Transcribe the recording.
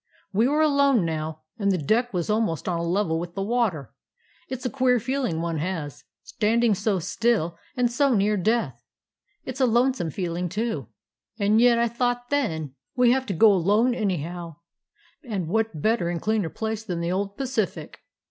"We were alone now, and the deck was almost on a level with the water. It 's a queer feeling one has, standing so still and so near death. It 's a lonesome feeling, too. 230 A CALIFORNIA SEA DOG And yet I thought then, we have to go alone anyhow, and what better and cleaner place than the old Pacific?